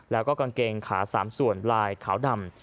แล้วก็กางเกงขา๓ส่วนลายขาวดำ